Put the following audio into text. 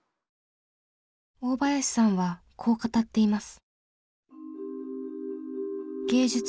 大林さんはこう語っています。